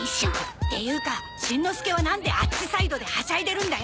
っていうかしんのすけはなんであっちサイドではしゃいでるんだよ。